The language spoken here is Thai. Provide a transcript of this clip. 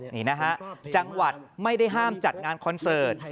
นี่นะฮะจังหวัดไม่ได้ห้ามจัดงานคอนเสิร์ต